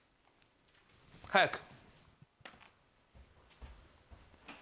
早く。